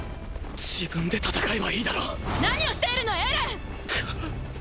自分で戦えばいいだろ何をしているのエレン！